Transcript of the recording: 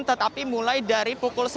tetapi mulai dari pukul sepuluh